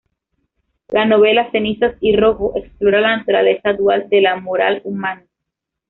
La novela "Cenizas y rojo" explora la naturaleza dual de la moral humana.